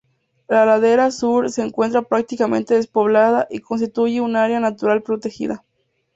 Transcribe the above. La ladera sur se encuentra prácticamente despoblada y constituye un área natural protegida.